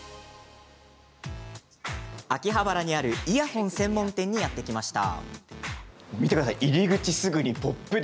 秋葉原にあるイヤホン専門店にやってきました。